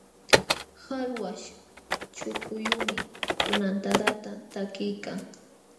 Qallwaśh chukuyuqmi tunantadata takiykan.